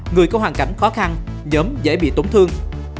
người có hoàn cảnh khó khăn nhóm dễ bị tổn thương